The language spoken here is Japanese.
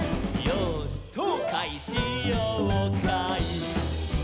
「よーしそうかいしようかい」